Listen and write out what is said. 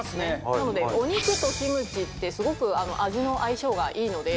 なのでお肉とキムチってすごく味の相性がいいので。